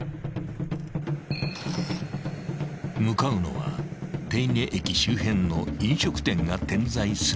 ［向かうのは手稲駅周辺の飲食店が点在するエリア］